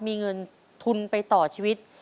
มีเงินทุนไปต่อชีวิต